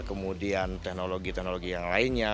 kemudian teknologi teknologi yang lainnya